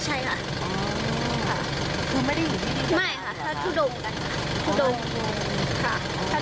จะเหมือนแบบเราเรารู้ว่าท่านอยู่ไหนนะครับ